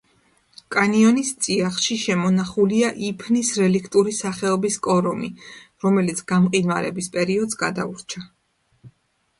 კანიონის წიაღში შემონახულია იფნის რელიქტური სახეობის კორომი, რომელიც გამყინვარების პერიოდს გადაურჩა.